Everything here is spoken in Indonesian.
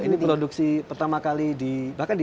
ini produksi pertama kali di bahkan di